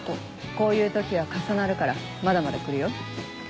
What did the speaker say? こういう時は重なるからまだまだ来るよ。